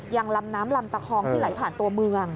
ยังลำน้ำลำตะคองที่ไหลผ่านตัวเมือง